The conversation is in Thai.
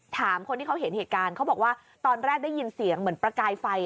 ถามคนที่เขาเห็นเหตุการณ์เขาบอกว่าตอนแรกได้ยินเสียงเหมือนประกายไฟ